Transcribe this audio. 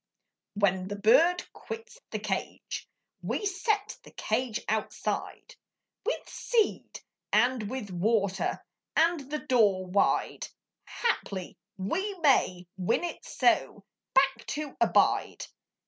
When the bird quits the cage, We set the cage outside, With seed and with water, And the door wide, Haply we may win it so Back to abide.